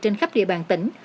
trên khắp địa bàn tỉnh